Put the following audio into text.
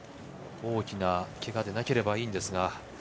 大きなけがでなければいいんですが。